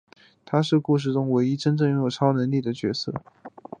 他是故事中唯一真正拥有超能力的角色。